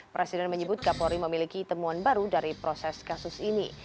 presiden menyebut kapolri memiliki temuan baru dari proses kasus ini